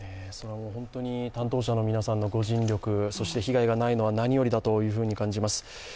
本当に担当者の皆さんの御尽力、被害がないのは何よりだというふうに感じます。